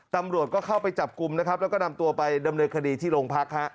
ตำรวจก็เข้าไปจับกลุ่มนะครับแล้วก็นำตัวไปดำเนินคดีที่โรงพักฮะ